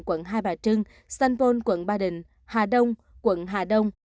quận hai bà trưng sanpon quận ba đình hà đông quận hà đông